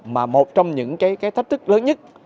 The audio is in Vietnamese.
mà một trong những thách thức lớn nhất